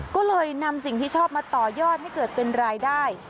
ก็เลยนำสิ่งที่ชอบมาต่อยอดให้เกิดเป็นรายได้